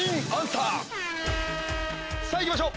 さぁ行きましょう。